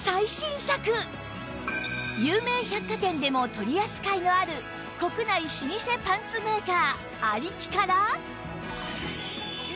有名百貨店でも取り扱いのある国内老舗パンツメーカー有木から